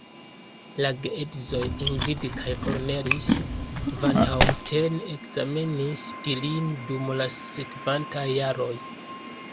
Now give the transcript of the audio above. La geedzoj Ingrid kaj Cornelis van Houten ekzamenis ilin dum la sekvantaj jaroj.